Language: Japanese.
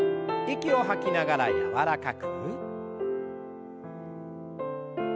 息を吐きながら柔らかく。